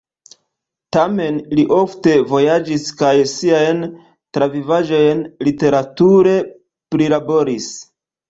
Tamen li ofte vojaĝis kaj siajn travivaĵojn literature prilaboris.